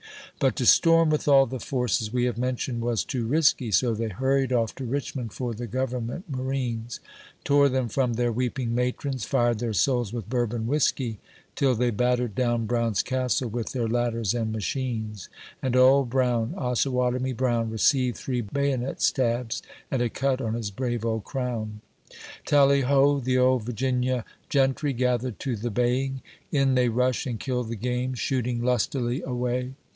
But to storm with all the forces we have mentioned was too risky ; So they hurried off to Richmond for the Government Ma rines — Tore them from their weeping matrons — fired their souls with Bourbon whiskey — Till they battered down Brown's castle with their ladders and machines ; And Old Brown, Osawatomie Brown, Received three bayonet stubs, and a cut on his brave old crown. Tallyho ! the old Virginia gentry gathered to the baying ! In they rush and kill the game, shooting lustily away